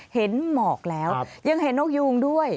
หมอกแล้วยังเห็นนกยูงด้วย